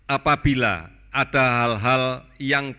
apabila ada hal hal yang